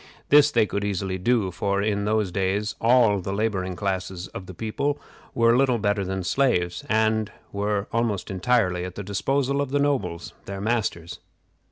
This they could easily do, for in those days all the laboring classes of the people were little better than slaves, and were almost entirely at the disposal of the nobles, their masters.